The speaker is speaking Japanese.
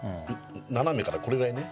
斜めからこれぐらいね